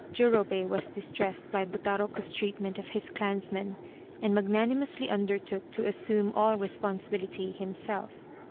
Jurobei was distressed by Buta roku's treatment of his clansman, and magnanimously undertook to assume all responsibility himself.